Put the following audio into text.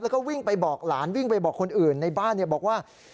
แล้วก็วิ่งไปบอกหลานวิ่งไปบอกคนอื่นในบ้านบอกว่า